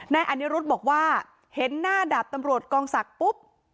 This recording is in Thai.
นายอนิรุธบอกว่าเห็นหน้าดาบตำรวจกองศักดิ์ปุ๊บ